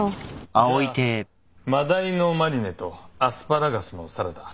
じゃあマダイのマリネとアスパラガスのサラダ。